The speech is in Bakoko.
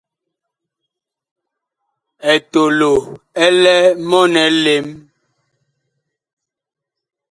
Etolo ɛ lɛ mɔɔn elem.